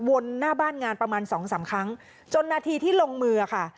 หน้าบ้านงานประมาณสองสามครั้งจนนาทีที่ลงมือค่ะ